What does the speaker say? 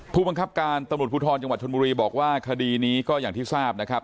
ผู้บังคับการตำรวจภูทรจังหวัดชนบุรีบอกว่าคดีนี้ก็อย่างที่ทราบนะครับ